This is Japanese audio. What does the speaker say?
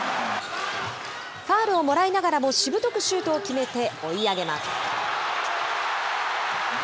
ファウルをもらいながらも、しぶとくシュートを決めて追い上げます。